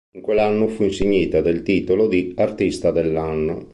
In quell'anno fu insignita del titolo di "Artista dell'anno".